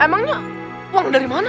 emangnya uangnya dari mana